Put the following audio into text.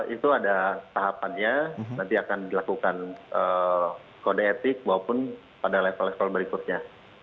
itu ada tahapannya nanti akan dilakukan kode etik maupun pada level level berikutnya